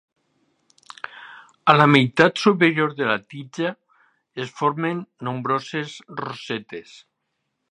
A la meitat superior de la tija es formen nombroses rosetes.